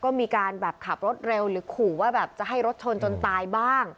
ก็มีการแบบขับรถเร็วหรือขู่ว่าแบบจะให้รถชนจนตายบ้าง